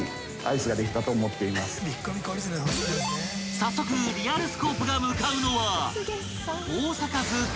［早速リアルスコープが向かうのは］